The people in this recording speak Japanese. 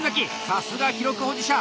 さすが記録保持者！